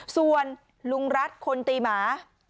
ส่วนลุงรัฐคนตีหมา